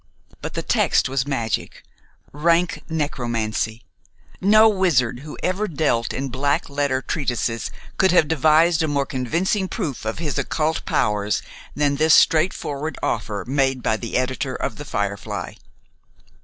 But the text was magic, rank necromancy. No wizard who ever dealt in black letter treatises could have devised a more convincing proof of his occult powers than this straightforward offer made by the editor of "The Firefly."